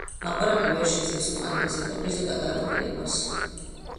აპარატი ვერ შეძლებს პლანეტის ზედაპირზე გადაადგილებას.